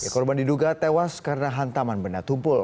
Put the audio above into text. korban diduga tewas karena hantaman benda tumpul